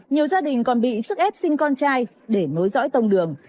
nhiều gia đình còn bị sức ép sinh con trai để nối dõi tông đường